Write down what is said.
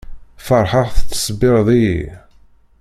Feṛḥeɣ tettṣebbiṛeḍ-iyi.